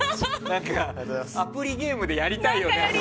アプリゲームでやりたいよね。